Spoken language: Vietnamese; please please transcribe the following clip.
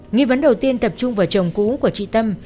nghi vấn đầu tiên tập trung vào chồng cũ của chị tâm